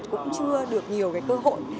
cũng chưa được nhiều cơ hội